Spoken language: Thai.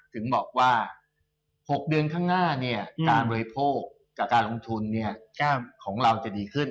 ถึงบอกว่า๖เดือนข้างหน้าการบริโภคกับการลงทุนของเราจะดีขึ้น